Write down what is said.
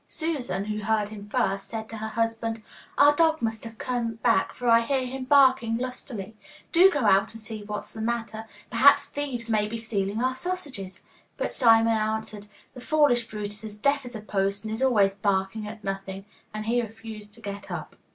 Susan, who heard him first, said to her husband, 'Our dog must have come back, for I hear him barking lustily. Do go out and see what's the matter; perhaps thieves may be stealing our sausages.' But Simon answered, 'The foolish brute is as deaf as a post and is always barking at nothing,' and he refused to get up.